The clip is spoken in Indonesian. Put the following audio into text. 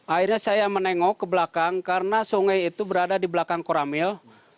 akhirnya saya menengok ke belakang karena sungai itu berada di belakang koramil